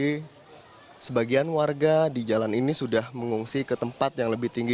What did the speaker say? jadi sebagian warga di jalan ini sudah mengungsi ke tempat yang lebih tinggi